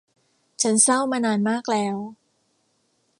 ฉันเศร้ามานานมากแล้ว